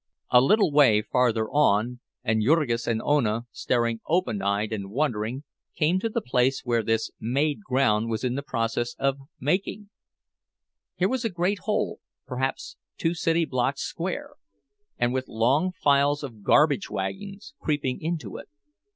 A little way farther on, and Jurgis and Ona, staring open eyed and wondering, came to the place where this "made" ground was in process of making. Here was a great hole, perhaps two city blocks square, and with long files of garbage wagons creeping into it.